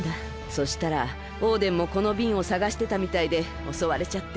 そしたらオーデンもこのびんをさがしてたみたいでおそわれちゃって。